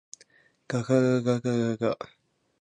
ががががががが。